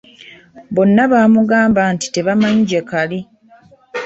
Bonna bamugamba nti tebamanyi gye kali.